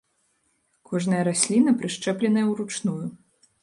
Кожная расліна прышчэпленая ўручную.